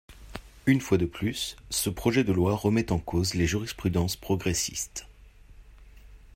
Une fois de plus, ce projet de loi remet en cause les jurisprudences progressistes.